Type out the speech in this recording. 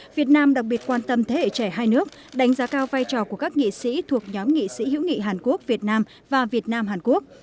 việt nam đặc biệt quan tâm thế hệ trẻ hai nước đánh giá cao vai trò của các nghị sĩ thuộc nhóm nghị sĩ hữu nghị hàn quốc việt nam và việt nam hàn quốc